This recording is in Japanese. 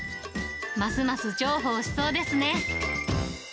ますます重宝しそうですね。